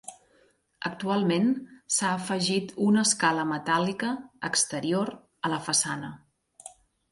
Actualment s'ha afegit una escala metàl·lica exterior a la façana.